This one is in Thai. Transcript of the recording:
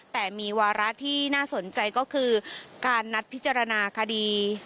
แต่มีวาระที่น่าสนใจก็คือการนัดพิจารณาคดี